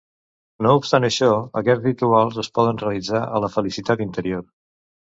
No obstant això, aquests rituals es poden realitzar a la felicitat interior.